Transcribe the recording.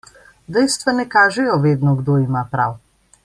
Dejstva ne kažejo vedno, kdo ima prav.